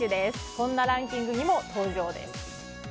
こんなランキングにも登場です。